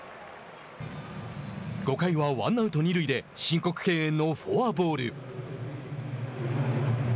５回はワンアウト、二塁で申告敬遠のフォアボール。